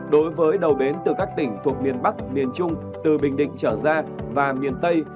đối với đầu bến từ các tỉnh thuộc miền bắc miền trung từ bình định trở ra và miền tây